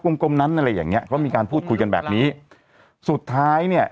กลมนั้นอะไรอย่างเงี้ยก็มีการพูดคุยกันแบบนี้สุดท้ายเนี้ย